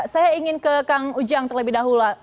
saya ingin ke kang ujang terlebih dahulu